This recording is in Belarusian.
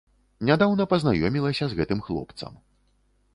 Нядаўна пазнаёмілася з гэтым хлопцам.